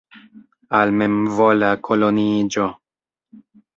Al memvola koloniiĝo.